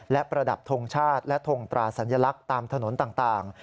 และประดับทงชาติและทงตราสัญลักษณ์ตามถนนต่าง